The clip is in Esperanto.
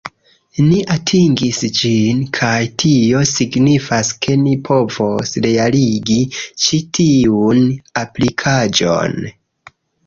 Ni atingis ĝin, kaj tio signifas ke ni povos realigi ĉi tiun aplikaĵon